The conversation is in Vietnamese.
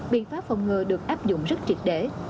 biện pháp phòng ngừa được áp dụng rất triệt để